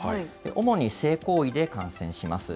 主に性行為で感染します。